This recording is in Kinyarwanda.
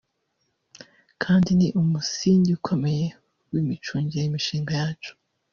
kandi ni n’umusingi ukomeye w’imicungire y’imishinga yacu